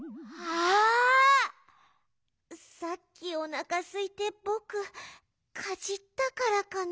さっきおなかすいてぼくかじったからかな？